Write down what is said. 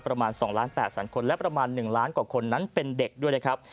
ประมาณ๒ล้าน๘แสนคนและประมาณ๑ล้านกว่าคนนั้นเป็นเด็กด้วยนะครับ